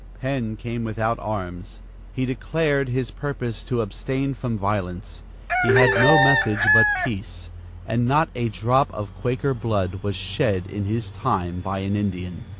Penn came without arms; he declared his purpose to abstain from violence; he had no message but peace, and not a drop of Quaker blood was shed in his time by an Indian.